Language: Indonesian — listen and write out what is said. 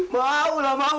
mau lah mau